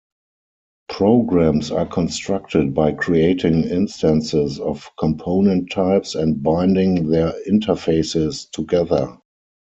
Programs are constructed by creating instances of component types and binding their interfaces together.